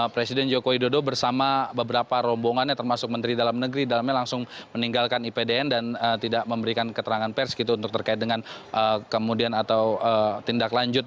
presiden joko widodo bersama beberapa rombongannya termasuk menteri dalam negeri dalamnya langsung meninggalkan ipdn dan tidak memberikan keterangan pers gitu untuk terkait dengan kemudian atau tindak lanjut